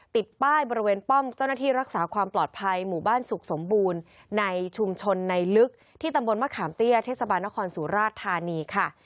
ติดป้ายบริเวณป้อมเจ้าหน้าที่รักษาความปลอดภัยหมู่บ้านสุขสมบูรณ์ในชุมชนในลึกที่ตำบลมะขามเตี้ยเทศบาลนครสุราชธานีค่ะ